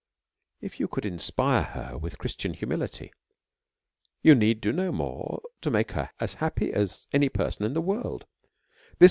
If you would inspire her with a Christian humility, you need do no more to make her happy as any per son in the world.